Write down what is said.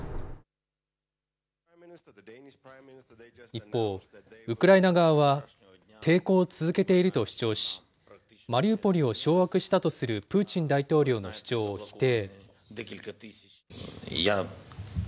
一方、ウクライナ側は抵抗を続けていると主張し、マリウポリを掌握したとするプーチン大統領の主張を否定。